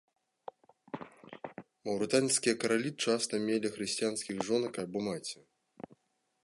Маўрытанскія каралі часта мелі хрысціянскіх жонак або маці.